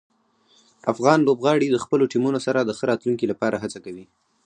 افغان لوبغاړي د خپلو ټیمونو سره د ښه راتلونکي لپاره هڅه کوي.